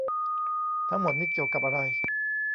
ทั้งหมดนี่เกี่ยวกับอะไร